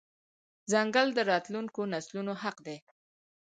ځنګل د راتلونکو نسلونو حق دی.